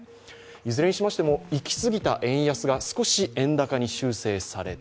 いずれにしましても行き過ぎた円安が少し円高に修正された。